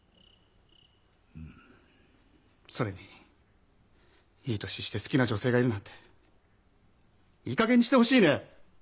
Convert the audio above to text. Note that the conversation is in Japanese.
それにいい年して好きな女性がいるなんていいかげんにしてほしいね。